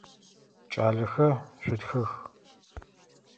Кӏалэхэ, шъутхэх!